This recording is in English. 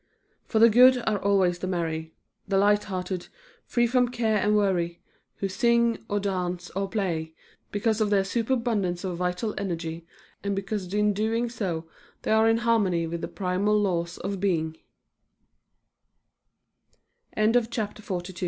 "For the good are always the merry," the lighthearted, free from care and worry, who sing, or dance, or play because of their superabundance of vital energy, and because in so doing they are in harmony with the primal laws of bei